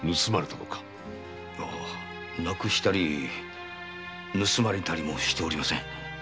失くしたり盗まれたりもしておりません。